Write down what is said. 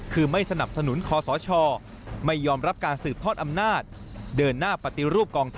คือไม่สนับสนุนคอสชไม่ยอมรับการสืบทอดอำนาจเดินหน้าปฏิรูปกองทัพ